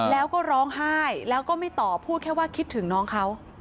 แล้วก็ร้องไห้แล้วก็ไม่ตอบพูดแค่ว่าคิดถึงน้องเขา